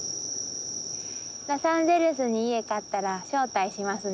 ロサンゼルスに家買ったら招待しますね。